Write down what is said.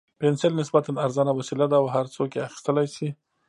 پنسل نسبتاً ارزانه وسیله ده او هر څوک یې اخیستلای شي.